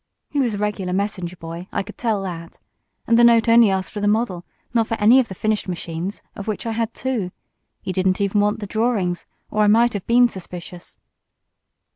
He was a regular messenger boy, I could tell that. And the note only asked for the model not for any of the finished machines, of which I had two. He didn't even want the drawings, or I might have been suspicious."